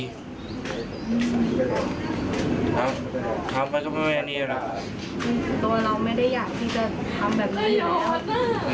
ครับทำไปก็ไม่แน่นี่แหละตัวเราไม่ได้อยากที่จะทำแบบนี้